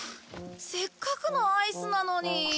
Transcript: せっかくのアイスなのに。